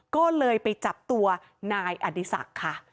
ก็เลยไปจับตัวนายอดีศักดิ์ค่ะ